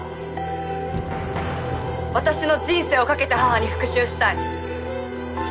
私の人生を懸けて母に復讐したい。